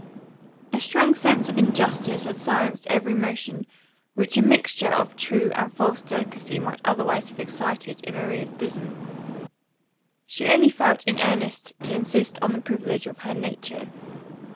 A strong sense of injustice had silenced every motion, which a mixture of true and false delicacy might otherwise have excited in Maria's bosom. She only felt in earnest to insist on the privilege of her nature.